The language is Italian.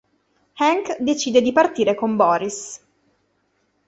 Hank decide di partire con Boris.